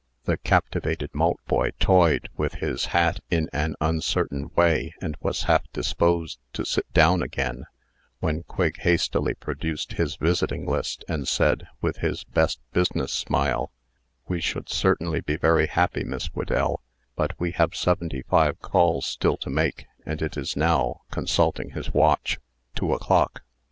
The captivated Maltboy toyed, with his hat in an uncertain way, and was half disposed to sit down again, when Quigg hastily produced his visiting list, and said, with his best business smile: "We Should certainly be very happy, Miss Whedell; but we have seventy five calls still to make, and it is now (consulting his watch) two o'clock."'